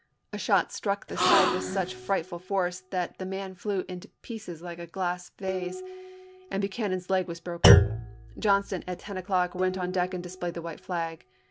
A shot struck the side with such frightful force that the man flew into pieces like a glass vase, and Buchanan's leg was broken. Johnston — at 10 o'clock — went on deck and displayed the white flag.